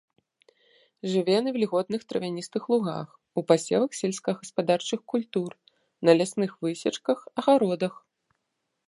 Жыве на вільготных травяністых лугах, у пасевах сельскагаспадарчых культур, на лясных высечках, агародах.